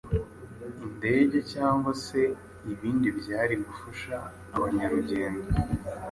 indege cyangwa se ibindi byari gufasha abanyarugendo